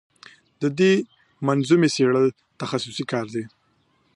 د دې منظومې څېړل تخصصي کار دی.